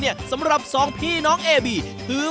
ไอ้สองคนนี้เหรอ